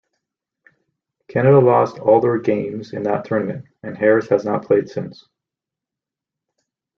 Canada lost all their games in that tournament, and Harris has not played since.